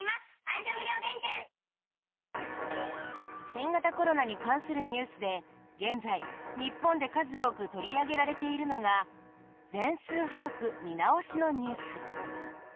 新型コロナに関するニュースで現在、日本で数多く取り上げられているのが全数把握見直しのニュース。